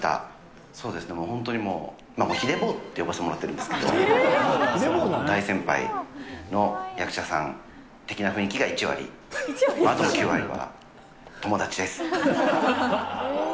そうですね、もう本当にもう、ヒデ坊って呼ばせてもらってるんですけど、大先輩の役者さん的な雰囲気が１割、あとの９割は、友達です。